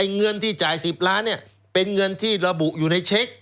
เงินที่จ่าย๑๐ล้านเป็นเงินที่ระบุอยู่ในเช็ค